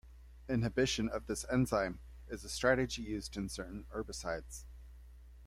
Inhibition of this enzyme is a strategy used in certain herbicides.